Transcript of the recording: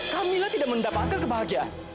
kamila tidak mendapatkan kebahagiaan